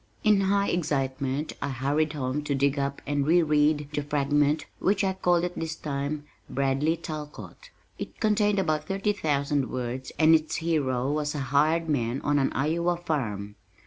In high excitement I hurried home to dig up and re read the fragment which I called at this time Bradley Talcott. It contained about thirty thousand words and its hero was a hired man on an Iowa farm.